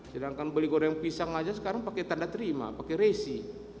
sedangkan beli goreng pisang aja sekarang pakai tanda terima pakai resi